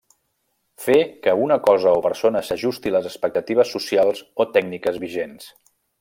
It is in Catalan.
Fer que una cosa o persona s'ajusti a les expectatives socials o tècniques vigents.